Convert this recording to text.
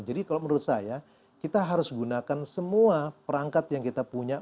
jadi kalau menurut saya kita harus gunakan semua perangkat yang kita punya